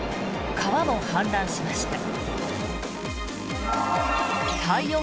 川も氾濫しました。